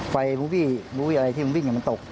ไฟมุ่งบี้มุ่งบี้อะไรที่มันบิ้งอย่างมันตก